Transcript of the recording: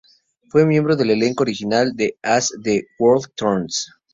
Fue miembro del elenco original de "As the World Turns".